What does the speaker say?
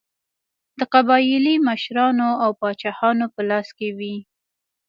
د قبایلي مشرانو او پاچاهانو په لاس کې وې.